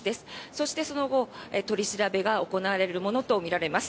そしてその後、取り調べが行われるものとみられます。